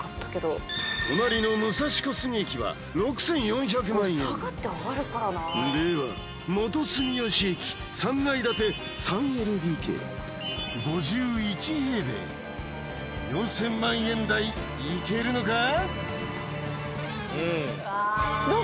隣の武蔵小杉駅は６４００万円では元住吉駅３階建て３ＬＤＫ５１平米４０００万円台いけるのか？